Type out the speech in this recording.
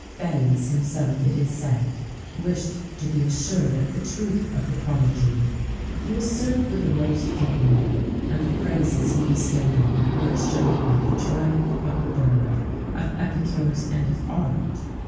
Fannius, himself, it is said, wished to be assured of the truth of the prodigy: he was served with a roast capon, and the praises he bestowed on it were assuredly the triumph of the bird, of epicures, and of art.